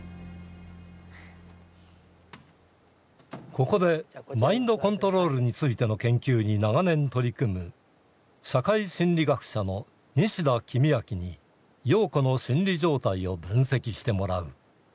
ここでマインドコントロールについての研究に長年取り組む社会心理学者の西田公昭に陽子の心理状態を分析してもらう。